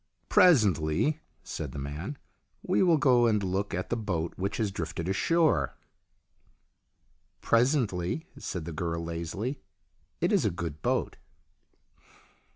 " Presently," said the man, " we will go and look at the boat which has drifted ashore." " Presently," said the girl, lazily. " It is a good boat."